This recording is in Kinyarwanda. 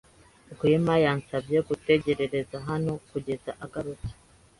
Rwema yansabye gutegereza hano kugeza agarutse.